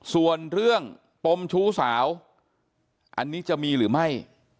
ส่วนเรื่องปมชู้สาวอันนี้จะมีหรือไม่